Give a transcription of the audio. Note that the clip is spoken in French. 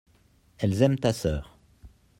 elles aiment ta sœur.